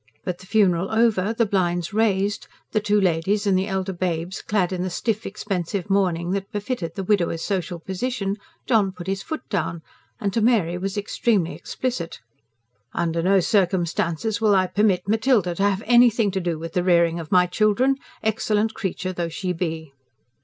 But the funeral over, the blinds raised, the two ladies and the elder babes clad in the stiff, expensive mourning that befitted the widower's social position, John put his foot down: and to Mary was extremely explicit: "Under no circumstances will I permit Matilda to have anything to do with the rearing of my children excellent creature though she be!"